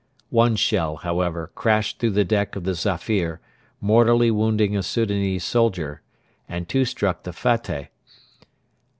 One shell, however, crashed through the deck of the Zafir, mortally wounding a Soudanese soldier, and two struck the Fateh.